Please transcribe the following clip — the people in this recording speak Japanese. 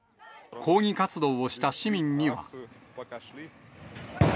抗議活動をした市民には。